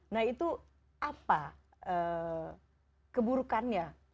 nah itu apa keburukannya